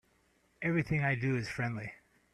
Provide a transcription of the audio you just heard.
Everything I do is friendly.